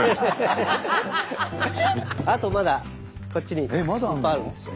あとまだこっちにいっぱいあるんですよ。